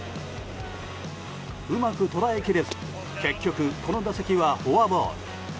うまく捉え切れず結局、この打席はフォアボール。